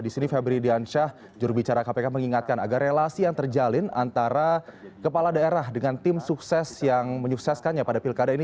di sini febri diansyah jurubicara kpk mengingatkan agar relasi yang terjalin antara kepala daerah dengan tim sukses yang menyukseskannya pada pilkada ini